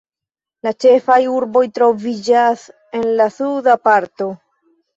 La ĉefaj urboj troviĝas en la suda parto.